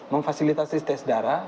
memfasilitasi tes darah